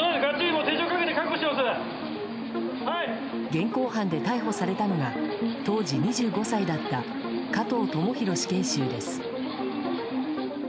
現行犯で逮捕されたのが当時２５歳だった加藤智大死刑囚です。